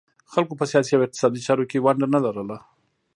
خلکو په سیاسي او اقتصادي چارو کې ونډه نه لرله